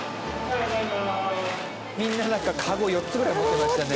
みんななんかカゴ４つぐらい持ってましたね